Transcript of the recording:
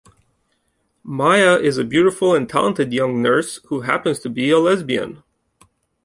Maia is a beautiful and talented young nurse who happens to be a lesbian.